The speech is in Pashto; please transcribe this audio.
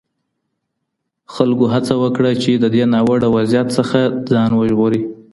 خلکو هڅه وکړه چي د دي ناوړه وضعیت څخه ځان وژغوري.